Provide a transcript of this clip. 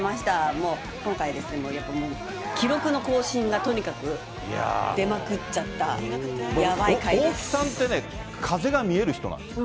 もう今回、やっぱ記録の更新がとにかく出まくっちゃった、大木さんってね、風が見える人なんです。